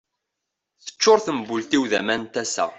Teččur tembult-iw d aman n tasa.